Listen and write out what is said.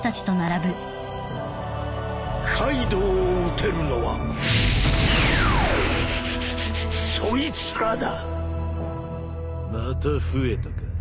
「カイドウを討てるのはそいつらだ！」また増えたか。